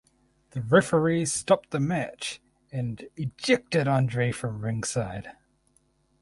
The referee stopped the match and ejected Andre from ringside.